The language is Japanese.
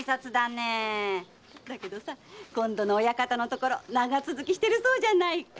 だけど今度の親方のところは長続きしてるそうじゃないか。